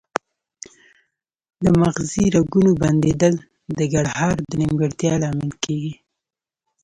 د مغزي رګونو بندیدل د ګړهار د نیمګړتیا لامل کیږي